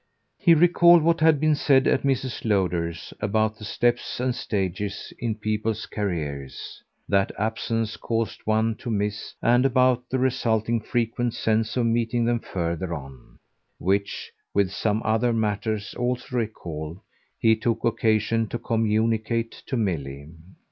He recalled what had been said at Mrs. Lowder's about the steps and stages, in people's careers, that absence caused one to miss, and about the resulting frequent sense of meeting them further on; which, with some other matters also recalled, he took occasion to communicate to Milly.